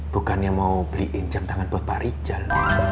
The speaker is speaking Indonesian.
bukannya mau beliin jam tangan buat pak rijal